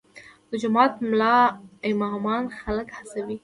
د جومات ملا امامان خلک هڅوي؟